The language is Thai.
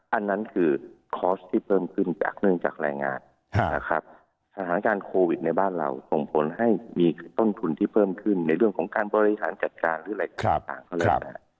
อันนั้นคือคอร์สที่เพิ่มขึ้นจากเนื่องจากแรงงานนะครับสถานการณ์โควิดในบ้านเราส่งผลให้มีต้นทุนที่เพิ่มขึ้นในเรื่องของการบริหารจัดการหรืออะไรต่างก็แล้วแต่